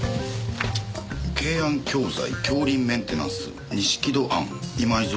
「慶庵教材共林メンテナンス錦戸庵今井造園」。